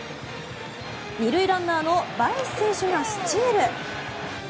２塁ランナーのバエス選手がスチール。